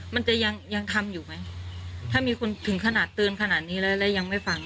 มันจะยังยังทำอยู่ไหมถ้ามีคนถึงขนาดเตือนขนาดนี้แล้วแล้วยังไม่ฟัง